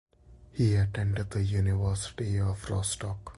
He attended the University of Rostock.